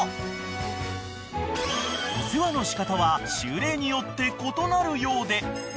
［お世話の仕方は週齢によって異なるようで］